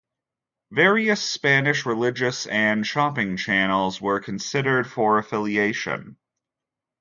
Various Spanish, religious and shopping channels were considered for affiliation.